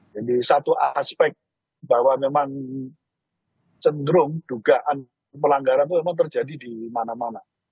jadi satu aspek bahwa memang cenderung dugaan pelanggaran itu memang terjadi di mana mana